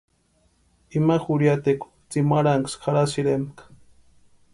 Ima jurhiatekwa tsimarhanksï jarhasïrempka.